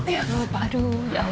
iya gak apa apa aduh ya allah